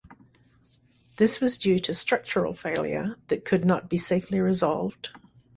This was due to structural failure that could not be safely resolved.